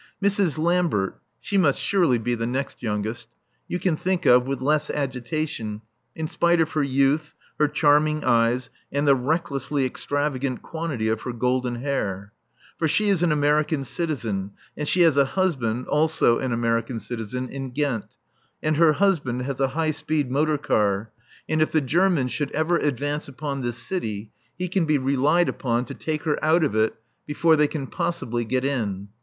Mrs. Lambert (she must surely be the next youngest) you can think of with less agitation, in spite of her youth, her charming eyes and the recklessly extravagant quantity of her golden hair. For she is an American citizen, and she has a husband (also an American citizen) in Ghent, and her husband has a high speed motor car, and if the Germans should ever advance upon this city he can be relied upon to take her out of it before they can possibly get in.